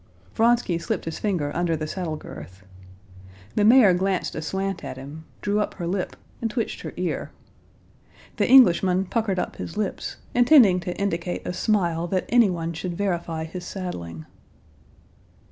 Vronsky slipped his finger under the saddle girth. The mare glanced aslant at him, drew up her lip, and twitched her ear. The Englishman puckered up his lips, intending to indicate a smile that anyone should verify his saddling.